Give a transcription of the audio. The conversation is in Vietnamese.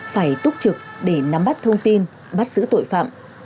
phải túc trực để nắm bắt thông tin bắt giữ tội phạm